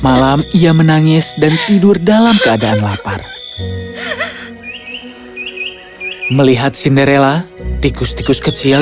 malam ia menangis dan tidur dalam keadaan lapar melihat cinderella tikus tikus kecil